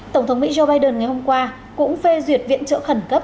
tổng thống mỹ joe biden ngày hôm qua cũng phê duyệt viện trợ khẩn cấp